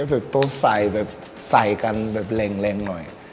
แค่ต้องใส่กันแบบแรงหน่อย